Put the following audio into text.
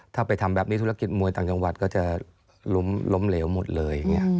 ถ้าไปทำแบบนี้ธุรกิจมวยต่างจังหวัดก็จะล้มเหลวหมดเลยอย่างนี้